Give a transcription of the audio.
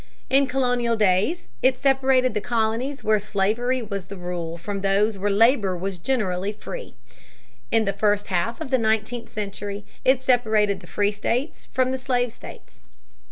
In colonial days it separated the colonies where slavery was the rule from those where labor was generally free. In the first half of the nineteenth century it separated the free states from the slave states.